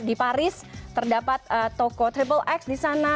di paris terdapat toko xxx di sana